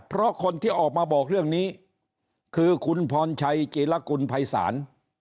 เพราะคนที่ออกมาบอกเรื่องนี้คือคุณพรชัยจีรกุลภัยศาล